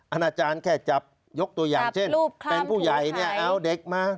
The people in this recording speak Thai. อาณาจารย์แค่จับยกตัวอย่างเช่นเป็นผู้ใหญ่จับรูปความถูกใคร